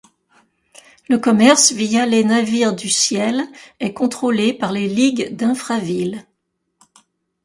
Le commerce via les navires du ciel est contrôlé par les Ligues d'Infraville.